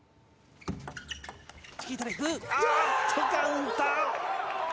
あっと、カウンター。